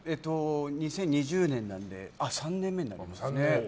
２０２０年なので３年目になりますね。